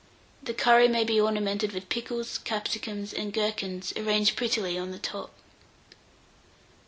The curry may be ornamented with pickles, capsicums, and gherkins arranged prettily on the top.